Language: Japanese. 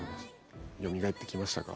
よみがえってきましたか？